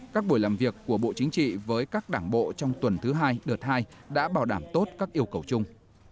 các buổi làm việc của bộ chính trị với các đảng bộ trong tuần thứ hai đợt hai đã bảo đảm tốt các yêu cầu chung